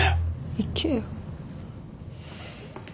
行けよ。